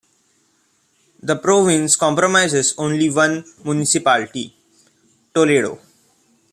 The province comprises only one municipality, Toledo.